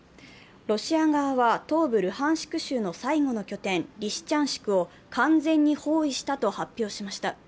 ロシア側は東部ルハンシク州の最後の拠点、リシチャンシクを完全に包囲したと発表しました。